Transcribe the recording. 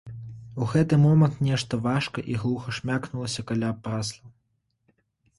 У гэты момант нешта важка і глуха шмякнулася каля прасла.